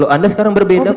anda sekarang berbeda kok